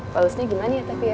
pausnya gimana ya tapi ya